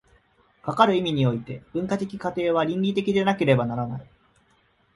かかる意味において、文化的過程は倫理的でなければならない。